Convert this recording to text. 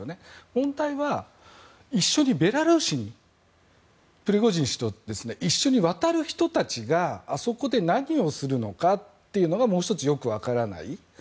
問題は、ベラルーシにプリゴジン氏と一緒に渡る人があそこで何をするのかっていうのがよく分からない。